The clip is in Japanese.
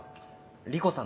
莉子さん